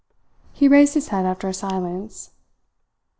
He raised his head after a silence.